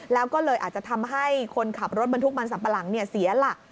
แล้วก็เลยอาจจะทำให้คนขับรถบรรทุกมันสัมปะหลังเสียหลัก